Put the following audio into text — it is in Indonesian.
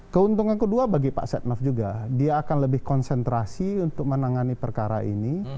keuntungan kedua bagi pak setnov juga dia akan lebih konsentrasi untuk menangani perkara ini